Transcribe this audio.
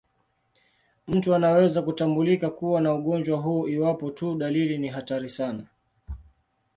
Mtu anaweza kutambulika kuwa na ugonjwa huu iwapo tu dalili ni hatari sana.